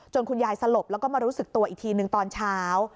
คุณยายสลบแล้วก็มารู้สึกตัวอีกทีหนึ่งตอนเช้า